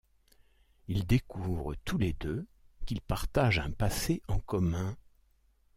Ils découvrent tous les deux qu'ils partagent un passé en commun.